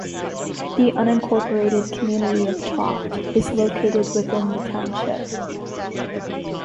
The unincorporated community of Tofte is located within the township.